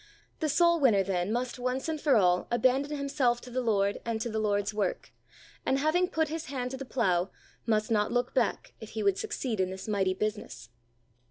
The soul winner, then, must once and for all, abandon himself to the Lord and to the Lord's work, and, having put his hand to the plow, must not look back, if he would succeed in this mighty business.